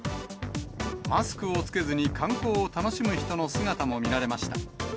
マスクを着けずに観光を楽しむ人の姿も見られました。